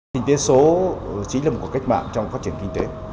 kinh tế số chỉ là một cái cách mạng trong phát triển kinh tế